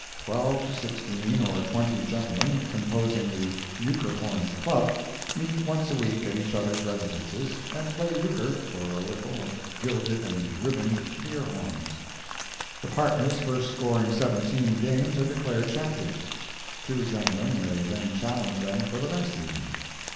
Twelve to sixteen or twenty gentlemen, composing the Euchre Horns' Club, meet once a week at each other's residences and play euchre for a little of gilded and ribboned deer horns. The partners first scoring seventeen games are declared champions. Two gentlemen may then challenge them for the next meeting.